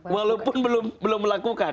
walaupun belum melakukan